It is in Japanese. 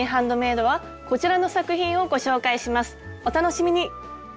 お楽しみに！